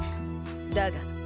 だが。